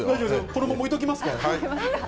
このまま置いときますか？